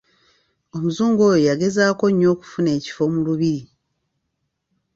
Omuzungu oyo yagezaako nnyo okufuna ekifo mu Lubiri.